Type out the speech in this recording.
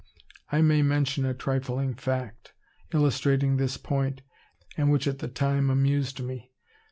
I may mention a trifling fact, illustrating this point, and which at the time amused me.